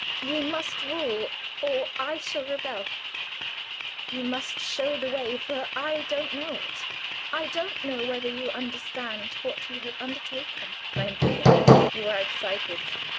You must rule, or I shall rebel; you must show the way, for I don't know it. I don't know whether you understand what you have undertaken." "My dear, you are excited.